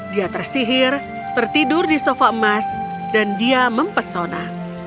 dia tersihir tertidur di sofa emas dan dia mempesona